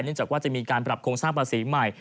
จากว่าจะมีการปรับโครงสร้างภาษีใหม่